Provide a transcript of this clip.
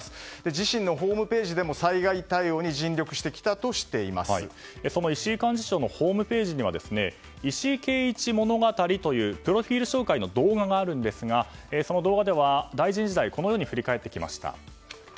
自身のホームページでも災害対応にその石井幹事長のホームページには「石井啓一ものがたり」というプロフィール紹介の動画があるんですがその動画では、大臣時代をこのように振り返っていました。